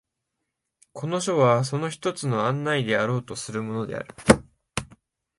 この書はその一つの案内であろうとするものである。